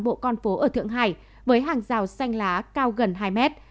các khu dân cư vàng bộ con phố ở thượng hải với hàng rào xanh lá cao gần hai mét